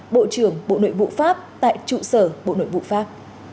bộ trưởng bộ nội vụ pháp tại trụ sở bộ nội vụ pháp